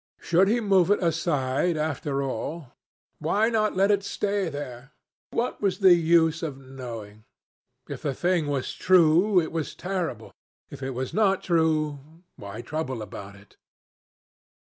Should he move it aside, after all? Why not let it stay there? What was the use of knowing? If the thing was true, it was terrible. If it was not true, why trouble about it?